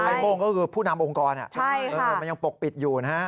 โม่งก็คือผู้นำองค์กรมันยังปกปิดอยู่นะฮะ